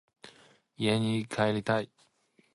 家に帰りたい。